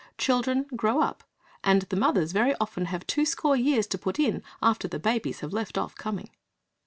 Children grow up and the mothers very often have two score years to put in after the babies have left off coming.